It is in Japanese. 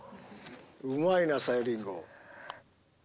うまいなさゆりんご。